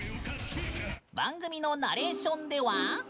番組のナレーションでは。